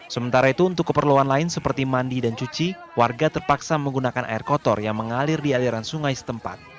sementara itu untuk keperluan lain seperti mandi dan cuci warga terpaksa menggunakan air kotor yang mengalir di aliran sungai setempat